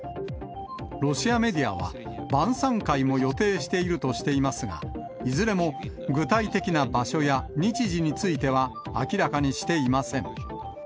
ロシアメディアは、晩さん会も予定しているとしていますが、いずれも具体的な場所や日時については明らかにしていません。